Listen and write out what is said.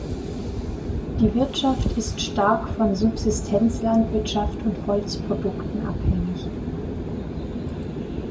Die Wirtschaft ist stark von Subsistenzlandwirtschaft und Holzprodukten abhängig.